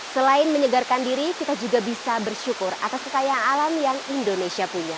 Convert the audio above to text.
selain menyegarkan diri kita juga bisa bersyukur atas kekayaan alam yang indonesia punya